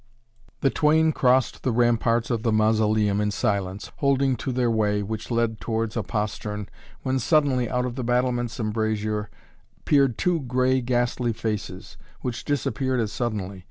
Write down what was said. The twain crossed the ramparts of the Mausoleum in silence, holding to their way which led towards a postern, when suddenly, out of the battlements' embrazure, peered two gray, ghastly faces, which disappeared as suddenly.